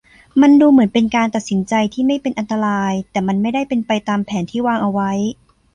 มันดูเหมือนเป็นการตัดสินใจที่ไม่เป็นอันตรายแต่มันไม่ได้เป็นไปตามแผนที่วางเอาไว้